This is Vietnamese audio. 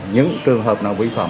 những trường hợp nào vi phạm